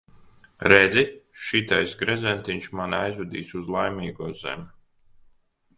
Redzi, šitais gredzentiņš mani aizvedīs uz Laimīgo zemi.